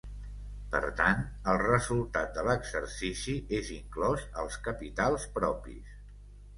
Per tant, el resultat de l'exercici és inclòs als capitals propis.